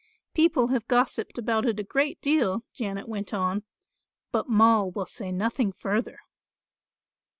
'" "People have gossiped about it a great deal," Janet went on, "but Moll will say nothing further."